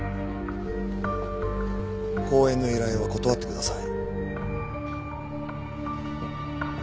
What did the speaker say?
講演の依頼は断ってください。